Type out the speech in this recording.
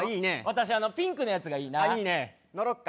私あのピンクのやつがいいなあっ